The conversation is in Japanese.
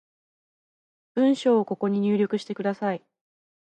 文章をここに入力してください